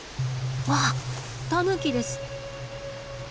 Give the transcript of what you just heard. うわっタヌキです。